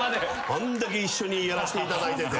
あんだけ一緒にやらしていただいてて。